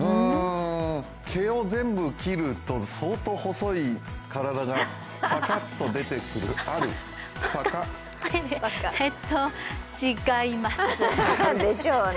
毛を全部切ると相当細い体がパカッと出てくる、アル、パカ。でしょうね。